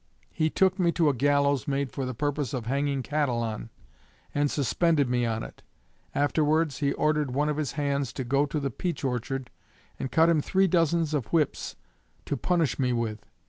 He took me to a gallows made for the purpose of hanging cattle on, and suspended me on it. Afterwards he ordered one of his hands to go to the peach orchard and cut him three dozens of whips to punish me with.